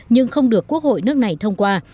nhưng không được quốc hội nước này thông qua